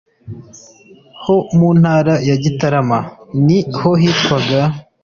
ho mu Ntara ya Gitarama (ni ko hitwaga).